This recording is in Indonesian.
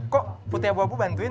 kok putih abu abu bantuin